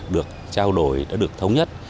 được trao đổi đã được thống nhất